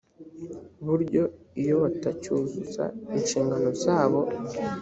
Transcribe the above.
buryo iyo batacyuzuza inshingano zabo